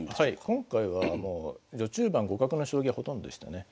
今回は序中盤互角の将棋がほとんどでしたね。